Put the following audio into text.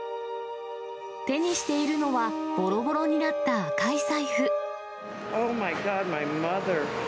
手にしているのは、ぼろぼろになった赤い財布。